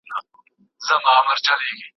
دا ټولنه به نو څنکه اصلاح کېږي